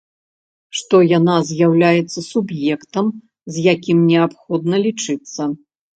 Што яна з'яўляецца суб'ектам, з якім неабходна лічыцца.